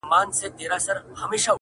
وایم بیا به ګوندي راسي٫